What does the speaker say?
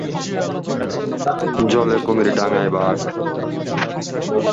Australia সফর শেষে তিনি তেমন সফলতা পাননি।